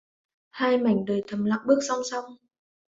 Hai mảnh đời thầm lặng bước song song